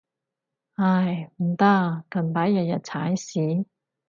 唉，唔得，近排日日踩屎